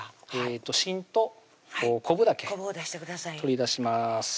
芯と昆布だけ取り出します